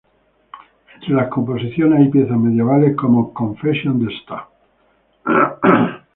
Entre las composiciones hay piezas medievales como “"Confessions de Sta.